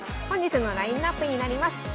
本日のラインナップになります。